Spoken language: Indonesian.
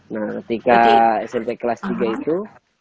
nah ketika smp kelas tiga itu